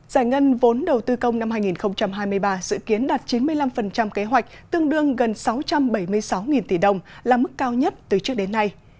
giải ngân vốn đầu tư công năm hai nghìn hai mươi ba dự kiến đạt chín mươi năm kế hoạch tương đương gần sáu trăm bảy mươi sáu tỷ đồng là mức cao nhất từ trước đến nay